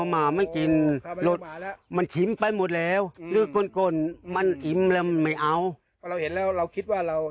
มันกินหมดแล้วคิดกดกฎมันอิ่มแล้วไม่เอา